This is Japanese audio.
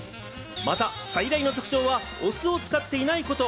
また最大の特徴はお酢を使っていないこと。